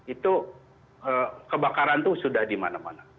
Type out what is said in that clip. itu kebakaran tuh sudah dimana mana